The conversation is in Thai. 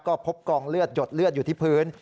ก็พบกองเลือดหยดเลือดอยู่ที่พื้น